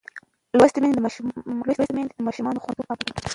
لوستې میندې د ماشوم خوندیتوب ته پام کوي.